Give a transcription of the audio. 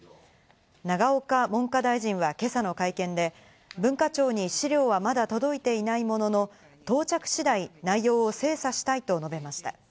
永岡文科大臣は今朝の会見で、文化庁に資料はまだ届いていないものの、到着次第、内容を精査したいと述べました。